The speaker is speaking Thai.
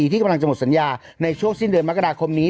ที่กำลังจะหมดสัญญาในช่วงสิ้นเดือนมกราคมนี้